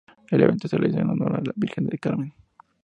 El evento se realiza en honor a la Virgen del Carmen.